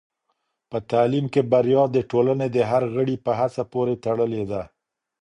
په تعلیم کې بریا د ټولنې د هر غړي په هڅه پورې تړلې ده.